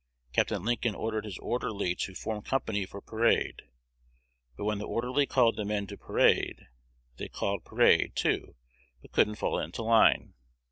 Capt. Lincoln ordered his orderly to form company for parade; but when the orderly called the men to 'parade,' they called 'parade,' too, but couldn't fall into line.